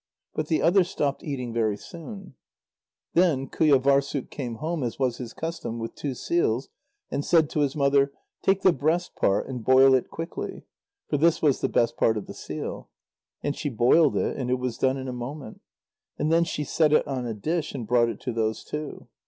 But the other stopped eating very soon. Then Qujâvârssuk came home, as was his custom, with two seals, and said to his mother: "Take the breast part and boil it quickly." For this was the best part of the seal. And she boiled it, and it was done in a moment. And then she set it on a dish and brought it to those two.